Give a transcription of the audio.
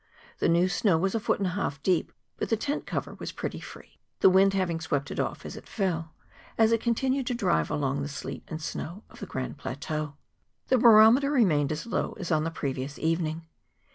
The new snow was a foot and a half deep ; but the tent cover was pretty free, the wind having swept it off as it fell,' as it continued to drive along the sleet and snow of the Grand Plateau. The barometer remained as low as on the previous evening.